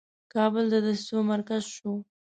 کابل د دسیسو مرکز شو.